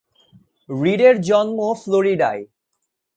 রিডের জন্ম ফ্লোরিডায়।